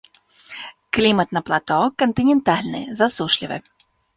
Клімат на плато кантынентальны засушлівы.